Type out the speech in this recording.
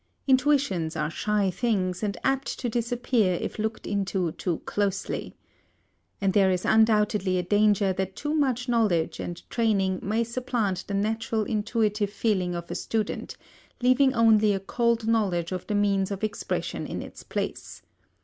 Intuitions are shy things and apt to disappear if looked into too closely. And there is undoubtedly a danger that too much knowledge and training may supplant the natural intuitive feeling of a student, leaving only a cold knowledge of the means of expression in its place.